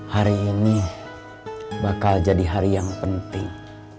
hari ini bakal jadi hari yang penting